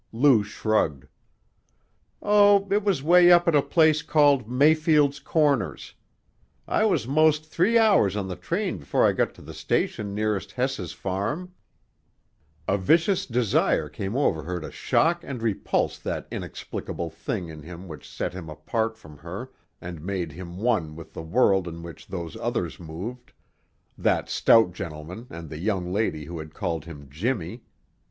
Lou shrugged. "Oh, it was 'way up at a place called Mayfield's Corners; I was most three hours on the train before I got to the station nearest Hess's farm." A vicious desire came over her to shock and repulse that inexplicable thing in him which set him apart from her and made him one with the world in which those others moved; that stout gentleman and the young lady who had called him Jimmie.